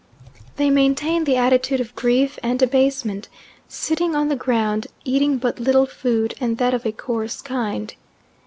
They maintain the attitude of grief and abasement, sitting on the ground, eating but little food, and that of a coarse kind.